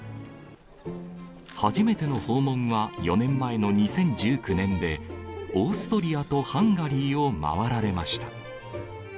初めての訪問は４年前の２０１９年で、オーストリアとハンガリーを回られました。